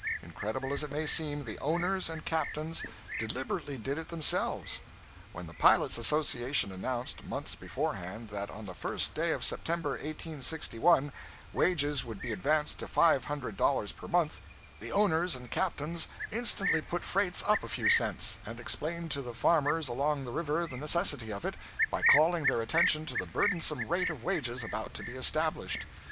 Incredible as it may seem, the owners and captains deliberately did it themselves. When the pilots' association announced, months beforehand, that on the first day of September, 1861, wages would be advanced to five hundred dollars per month, the owners and captains instantly put freights up a few cents, and explained to the farmers along the river the necessity of it, by calling their attention to the burdensome rate of wages about to be established.